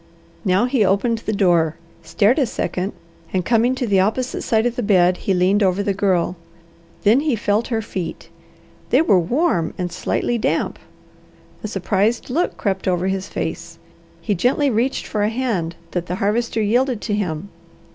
Now he opened the door, stared a second, and coming to the opposite side of the bed, he leaned over the Girl. Then he felt her feet. They were warm and slightly damp. A surprised look crept over his face. He gently reached for a hand that the Harvester yielded to him.